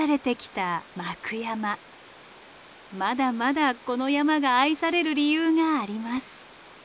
まだまだこの山が愛される理由があります。